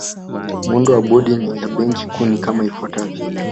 Muundo wa Bodi ya Benki Kuu ni kama ifuatavyo